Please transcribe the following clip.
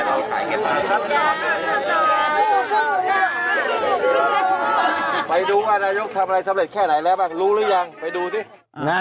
นายกเข้ามาทำอะไรสำเร็จแค่ไหนแล้วบ้างรู้หรือยัง